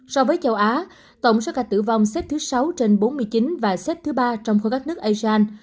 so với châu á tổng số ca tử vong xếp thứ sáu trên bốn mươi chín và xếp thứ ba trong khối các nước asean